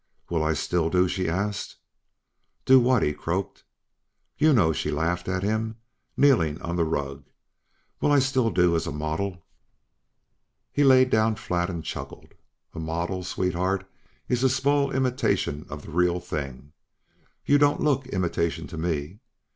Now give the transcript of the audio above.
"Will I still do?" She asked. "Do what?" He croaked. "You know?" She laughed at him, kneeling on the rug. "Will I still do as a model?" He laid down flat and chuckled. "A model, sweetheart, is a small imitation of the real thing. You don't look imitation to me."